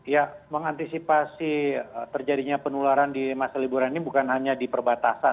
ya mengantisipasi terjadinya penularan di masa liburan ini bukan hanya di perbatasan